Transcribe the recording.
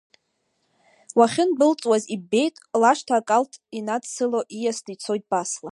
Уахьындәылҵуаз, иббеит, лашҭа акалҭ инадсыло, ииасны ицоит Басла.